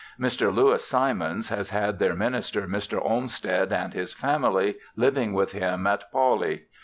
Mr. Lewis Simons has had their minister Mr. Olmsted and his family living with him at Pawley.